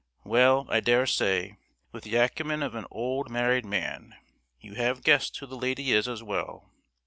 Well, I daresay, with the acumen of an old married man, you have guessed who the lady is as well.